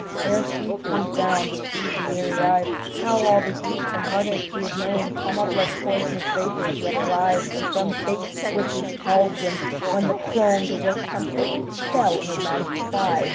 Ere sleep comes down to soothe the weary eyes, How all the griefs and heartaches we have known Come up like pois'nous vapors that arise From some base witch's caldron, when the crone, To work some potent spell, her magic plies.